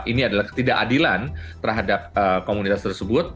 ini adalah ketidakadilan terhadap komunitas tersebut